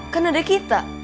kan ada kita